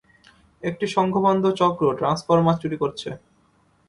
একটি সংঘবদ্ধ চক্র ট্রান্সফরমার চুরি করছে।